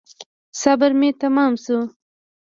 صبر مي تمام شو .